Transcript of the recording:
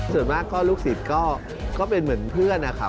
ส่วนมากก็ลูกสิทธิ์ก็เป็นเหมือนเพื่อนค่ะ